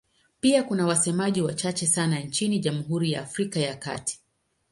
Pia kuna wasemaji wachache sana nchini Jamhuri ya Afrika ya Kati.